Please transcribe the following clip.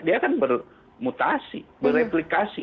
dia akan bermutasi bereplikasi